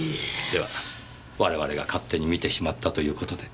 では我々が勝手に見てしまったという事で。